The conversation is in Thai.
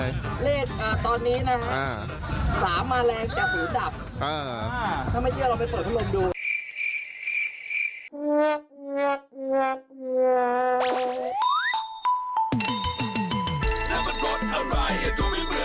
เขตการ์กลางของถ่ายจากแค่นัททีวีค่ะ